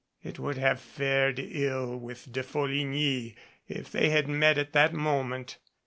It would have fared ill with De Folligny if they had met at that moment.